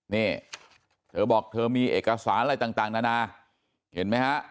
นี่เธอบอกเธอมีเอกสารอะไรต่างนานาเห็นไหมฮะ